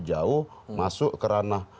jauh masuk karena